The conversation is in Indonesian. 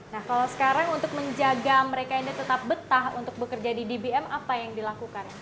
nah kalau sekarang untuk menjaga mereka ini tetap betah untuk bekerja di dbm apa yang dilakukan